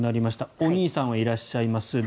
お兄さんはいらっしゃいます。